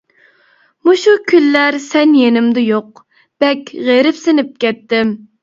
مۇشۇ كۈنلەر سەن يېنىمدا يوق، بەك غېرىبسىنىپ كەتتىم.